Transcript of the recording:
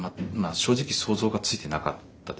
正直想像がついてなかったですね。